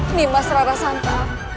ini mas rara santar